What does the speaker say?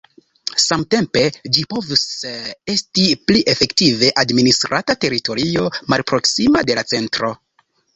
Samtempe ĝi povis esti pli efektive administrata teritorio malproksima de la centro.